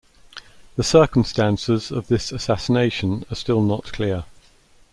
The circumstances of this assassination are still not clear.